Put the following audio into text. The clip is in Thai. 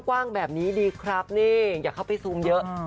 กว้างแบบนี้ดีครับนี่อย่าเข้าไปซูมเยอะ